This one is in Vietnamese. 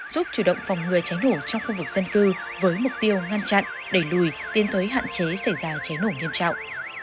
giúp chủ động phòng người cháy nổ trong khu vực dân cư với mục tiêu ngăn chặn đẩy lùi tiến tới hạn chế xảy ra cháy nổ nghiêm trọng